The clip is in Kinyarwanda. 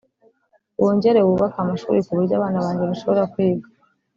wongere wubake amashuri ku buryo abana banjye bashobora kwiga